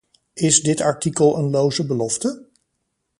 Is dit artikel een loze belofte?